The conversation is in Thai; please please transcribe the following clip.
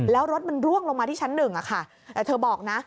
แล้วรถมันร่วงลงมาที่ชั้นหนึ่งอะค่ะแต่เธอบอกนะ